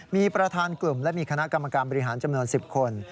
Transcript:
มีประธานกลุ่มและมีคณะกรรมการบริหารจำนวน๑๐คน